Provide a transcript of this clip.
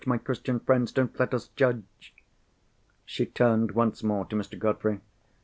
My Christian friends, don't let us judge! She turned once more to Mr. Godfrey.